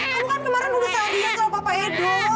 kamu kan kemarin udah sel dian sama papa edo